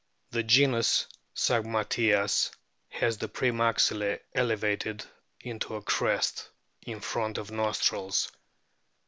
The genus SAGMATJAS has the pre maxillae elevated into a crest in front of nostrils.